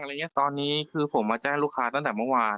อะไรอย่างเงี้ยตอนนี้คือผมมาแจ้งลูกค้าตั้งแต่เมื่อวาน